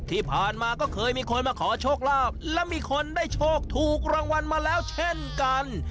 ที่ผ่านมาก็เคยมีคนมาขอโชคลาภและมีคนได้โชคถูกรางวัลมาแล้วเช่นกัน